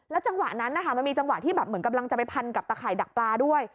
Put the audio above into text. จังหวะนั้นนะคะมันมีจังหวะที่แบบเหมือนกำลังจะไปพันกับตะข่ายดักปลาด้วย